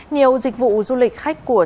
nhiều dịch vụ du lịch khách của tp hcm